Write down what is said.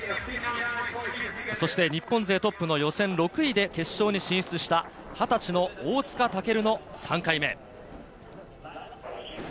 そして日本勢トップの予選６位で決勝に進出した２０歳の大塚健の３回目。